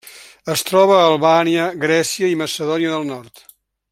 Es troba a Albània, Grècia i Macedònia del Nord.